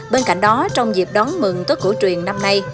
bên cạnh đó trong dịp đón mừng tốt cửu truyền năm nay